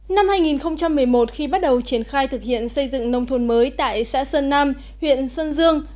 năm hai nghìn một mươi một khi bắt đầu triển khai thực hiện xây dựng nông thôn mới tại xã sơn nam huyện sơn dương